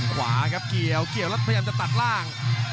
ขวาครับเกี่ยวแล้วพยายามจะตัดล่าง